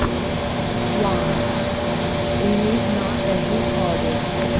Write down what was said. LINES: 'WE MEET NOT AS WE PARTED'.